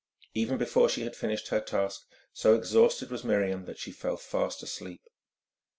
Even before she had finished her task, so exhausted was Miriam that she fell fast asleep.